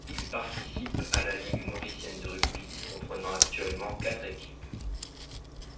Il participe à la ligue mauricienne de rugby comprenant actuellement quatre équipes.